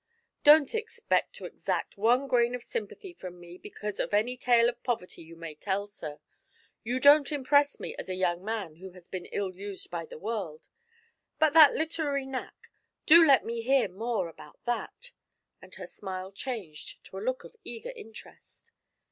'Don't expect to extract one grain of sympathy from me because of any tale of poverty you may tell, sir. You don't impress me as a young man who has been ill used by the world. But that literary knack do let me hear more about that;' and her smile changed to a look of eager interest.